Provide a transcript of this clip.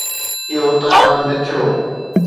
اهو تائيوان ۾ ٿيو.